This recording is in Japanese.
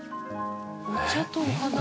お茶とお花だ！